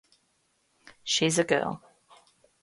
She's a girl.